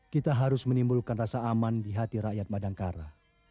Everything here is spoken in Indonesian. kita harus menimbulkan rasa aman di hati rakyat badangkara